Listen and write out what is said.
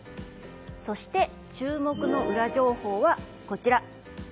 そして、注目のウラ情報はこちら。